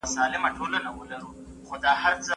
موږ باید د خپل هیواد په ابادۍ کې برخه واخلو.